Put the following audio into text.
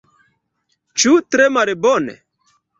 Ĉu tre malbone?